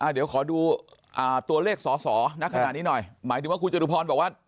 เดี๋ยวขอดูตัวเลขสอสอนักขณะนี้หน่อยหมายถึงว่าคุณจตุพรบอกว่า